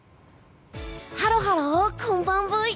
ハロハロこんばんブイ！